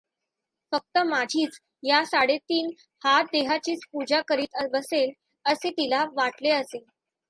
फक्त माझीच, या साडेतीन हात देहाचीच पूजा करीत बसेल, असे तिला वाटले असेल.